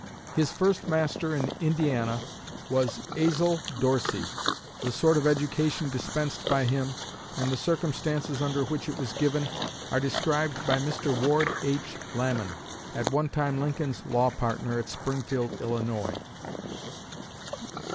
His first master in Indiana was Azel Dorsey. The sort of education dispensed by him, and the circumstances under which it was given, are described by Mr. Ward H. Lamon, at one time Lincoln's law partner at Springfield, Illinois.